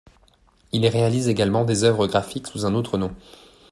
Il réalise également des œuvres graphiques sous un autre nom.